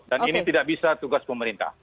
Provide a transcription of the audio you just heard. dan ini tidak bisa tugas pemerintah